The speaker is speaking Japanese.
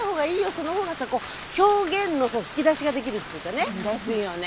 その方がさこう表現の引き出しが出来るっていうかね。ですよね。